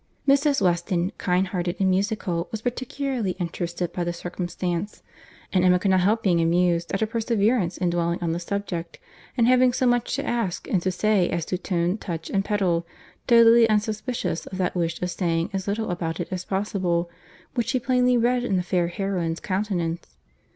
Mrs. Weston, kind hearted and musical, was particularly interested by the circumstance, and Emma could not help being amused at her perseverance in dwelling on the subject; and having so much to ask and to say as to tone, touch, and pedal, totally unsuspicious of that wish of saying as little about it as possible, which she plainly read in the fair heroine's countenance.